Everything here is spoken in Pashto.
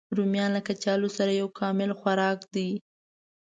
رومیان له کچالو سره یو کامل خوراک دی